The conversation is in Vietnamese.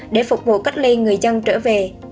để phục vụ cách ly người dân trở về